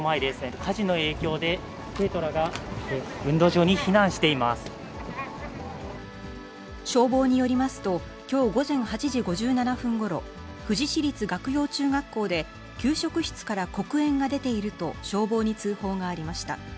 火事の影響で、生徒らが運動場に消防によりますと、きょう午前８時５７分ごろ、富士市立岳陽中学校で、給食室から黒煙が出ていると消防に通報がありました。